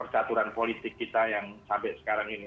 percaturan politik kita yang sampai sekarang ini